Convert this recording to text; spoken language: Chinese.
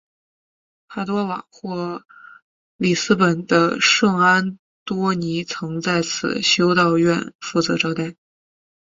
帕多瓦或里斯本的圣安多尼曾在此修道院负责招待。